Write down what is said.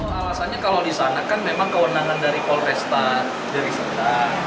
alasannya kalau disana kan memang kewenangan dari polres tandeli cerdang